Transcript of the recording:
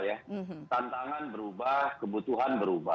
tantangan berubah kebutuhan berubah